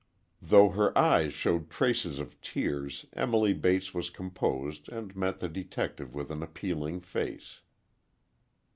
Though her eyes showed traces of tears, Emily Bates was composed and met the detective with an appealing face.